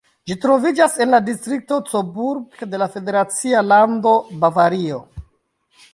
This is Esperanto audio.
Ĝi troviĝas en la distrikto Coburg de la federacia lando Bavario.